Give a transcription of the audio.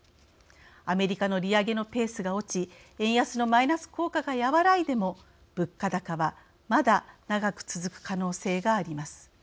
アメリカの利上げのペースが落ち円安のマイナス効果が和らいでも物価高はまだ長く続く可能性があります。